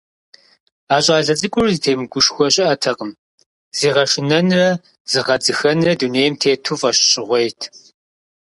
А щӀалэ цӀыкӀур зытемыгушхуэ щыӀэтэкъым, зыгъэшынэнрэ зыгъэдзыхэнрэ дунейм тету фӀэщщӀыгъуейт.